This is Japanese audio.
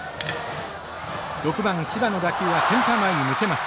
６番柴の打球はセンター前に抜けます。